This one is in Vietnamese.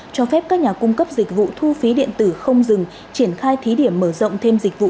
cho phép các nhà cung cấp dịch vụ thu phí điện tử không dừng triển khai thí điểm mở rộng thêm dịch vụ